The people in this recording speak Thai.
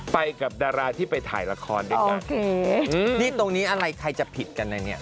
ไปกับดาราที่ไปถ่ายละครด้วยกันนี่ตรงนี้อะไรใครจะผิดกันนะเนี่ย